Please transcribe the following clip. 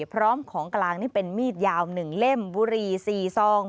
พร้อมของกลางนี่เป็นมีดยาว๑เล่มบุรี๔ซอง